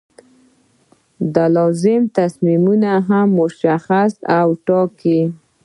دا لازم تصمیمونه هم مشخص او ټاکي.